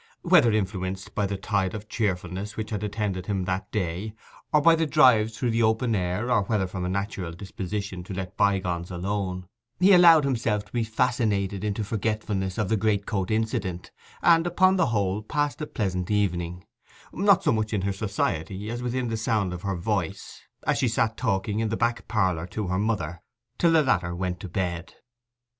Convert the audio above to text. Whether influenced by the tide of cheerfulness which had attended him that day, or by the drive through the open air, or whether from a natural disposition to let bygones alone, he allowed himself to be fascinated into forgetfulness of the greatcoat incident, and upon the whole passed a pleasant evening; not so much in her society as within sound of her voice, as she sat talking in the back parlour to her mother, till the latter went to bed.